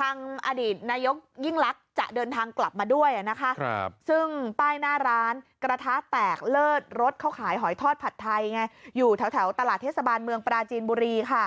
ทางอดีตนายกยิ่งลักษณ์จะเดินทางกลับมาด้วยนะคะซึ่งป้ายหน้าร้านกระทะแตกเลิศรถเขาขายหอยทอดผัดไทยไงอยู่แถวตลาดเทศบาลเมืองปราจีนบุรีค่ะ